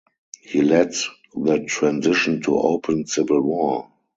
He led the transition to open civil war.